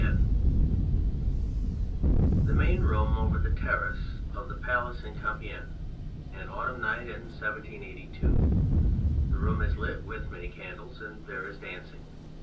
204 [The Main Room over the Terrace of Ike Palace in Compicgne. An autumn night in 1782. The room is lit with many candles, and there is dancing.